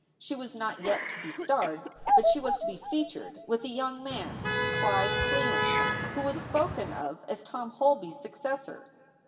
She was not yet to be starred, but she was to be "featured" with a young man, Clive Cleland, who was spoken of as Tom Holby s successor.